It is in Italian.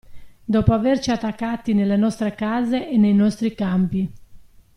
Dopo averci attaccati nelle nostre case e nei nostri campi.